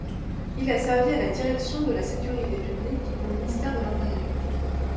Il a servi à la Direction de la Sécurité publique au ministère de l'Intérieur.